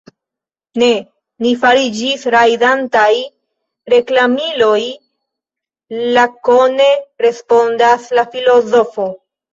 Ne; ni fariĝis rajdantaj reklamiloj, lakone respondas la filozofo.